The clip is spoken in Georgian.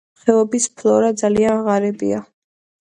ხეობის ფლორა ძალიან ღარიბია.